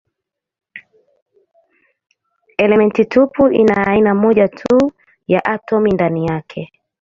Elementi tupu ina aina moja tu ya atomi ndani yake.